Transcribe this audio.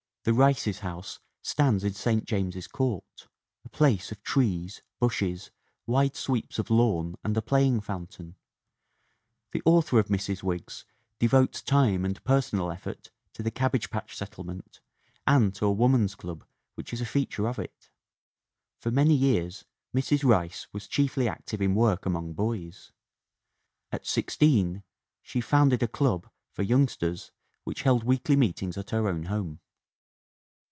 The Rices' house stands in St. James ALICE HEGAN RICE 317 Court, a place of trees, bushes, wide sweeps of lawn and a playing fountain. The author of Mrs. Wiggs devotes time and personal effort to the Cabbage Patch Settlement and to a woman's club which is a feature of it. For many years Mrs. Rice was chiefly active in work among boys. At sixteen shes founded a club for youngsters which held weekly meetings at her own home.